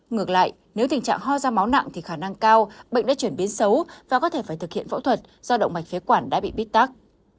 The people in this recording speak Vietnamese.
ngược lại nếu tình trạng ho ra máu nặng thì khả năng cao bệnh đã chuyển biến xấu và có thể phải thực hiện phẫu thuật do động mạch phế quản đã bị bít tác